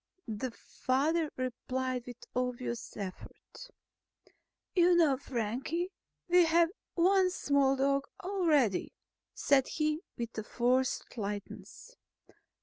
The father replied with obvious effort. "You know, Frankie, we have one small dog already," said he with forced lightness.